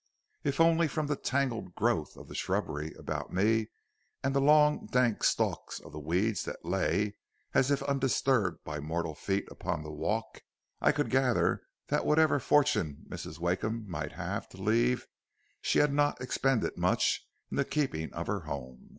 If only from the tangled growth of the shrubbery about me and the long dank stalks of the weeds that lay as if undisturbed by mortal feet upon the walk, I could gather that whatever fortune Mrs. Wakeham might have to leave she had not expended much in the keeping of her home.